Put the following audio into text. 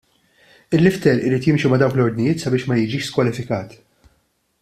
Il-lifter irid jimxi ma' dawk l-ordnijiet biex ma jiġix skwalifikat.